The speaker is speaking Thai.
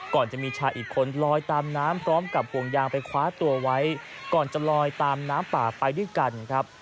ก่อนจะมีชายอีกคนลอยตามน้ำพร้อมกับห่วงยางไปคว้าตัวไว้ก่อนจะลอยตามน้ำป่าไปด้วยกันครับ